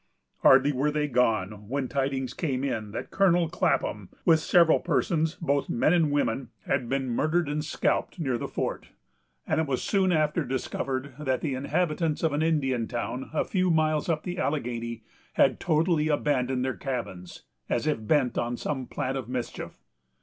Hardly were they gone, when tidings came in that Colonel Clapham, with several persons, both men and women, had been murdered and scalped near the fort; and it was soon after discovered that the inhabitants of an Indian town, a few miles up the Alleghany, had totally abandoned their cabins, as if bent on some plan of mischief.